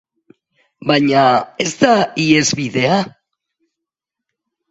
Baina ez da ihesbidea.